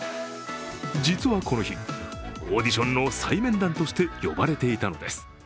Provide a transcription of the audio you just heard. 実はこの日、オーディションの再面談として呼ばれていたのです。